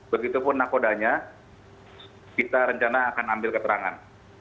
begitupun nakodanya kita rencana akan ambil keterangan